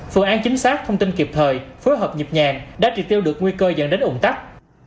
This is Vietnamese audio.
phương án chính xác thông tin kịp thời phối hợp nhịp nhàng đã trị tiêu được nguy cơ dẫn đến ủng tắc